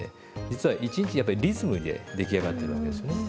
実は一日やっぱりリズムで出来上がってるわけですね。